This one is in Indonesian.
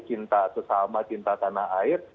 cinta sesama cinta tanah air